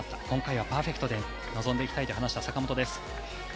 今回はパーフェクトで臨んでいきたいと話した坂本です。